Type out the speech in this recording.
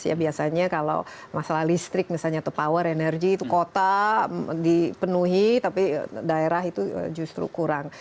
ya biasanya kalau masalah listrik misalnya atau power energy itu kota dipenuhi tapi daerah itu justru kurang